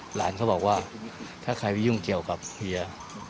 หลานเขาบอกว่าถ้าใครไปยุ่งเกี่ยวกับเฮีย